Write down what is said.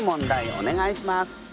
お願いします。